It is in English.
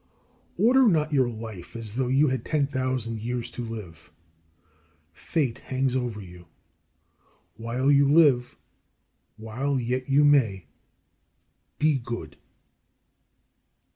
17. Order not your life as though you had ten thousand years to live. Fate hangs over you. While you live, while yet you may, be good.